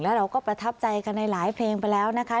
แล้วเราก็ประทับใจกันในหลายเพลงไปแล้วนะคะ